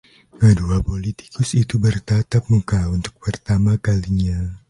Kedua politikus itu bertatap muka untuk pertama kalinya.